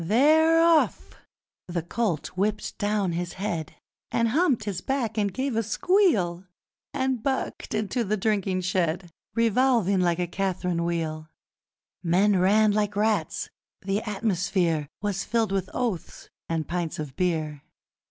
They're off! The colt whipped down his head, And humped his back and gave a squeal, And bucked into the drinking shed, Revolving like a Cath'rine wheel! Men ran like rats! The atmosphere Was filled with oaths and pints of beer!